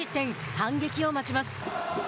反撃を待ちます。